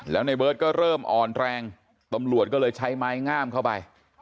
แล้วในเบิร์ตก็เริ่มอ่อนแรงตำรวจก็เลยใช้ไม้งามเข้าไป